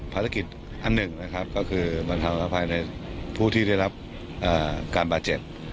ภารกิจอันหนึ่งนะครับก็คือบรรเทาภายในผู้ที่ได้รับการบาดเจ็บ